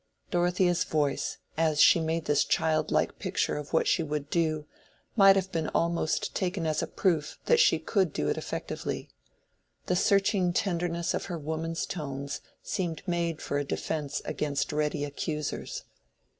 Dorothea's voice, as she made this childlike picture of what she would do, might have been almost taken as a proof that she could do it effectively. The searching tenderness of her woman's tones seemed made for a defence against ready accusers.